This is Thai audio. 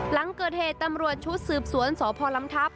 หลังเกิดเหตุตำรวจชุดสืบสวนสพลำทัพ